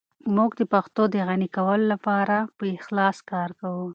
موږ د پښتو د غني کولو لپاره په اخلاص کار کوو.